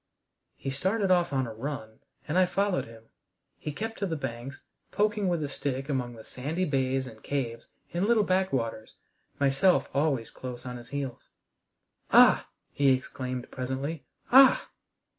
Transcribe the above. He started off on a run, and I followed him. He kept to the banks, poking with a stick among the sandy bays and caves and little back waters, myself always close on his heels. "Ah!" he exclaimed presently, "ah!"